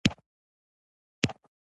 سفیر په حیث بمبیی ته روان سي.